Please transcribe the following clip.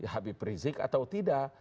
habib rizieq atau tidak